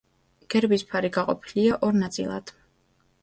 გერბის ფარი გაყოფილია ორ ნაწილად.